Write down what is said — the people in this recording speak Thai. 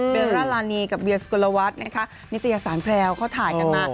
เวลาลานีกับเวียสกลวัฒน์นะคะนิตยสารแพรวเขาถ่ายกันมา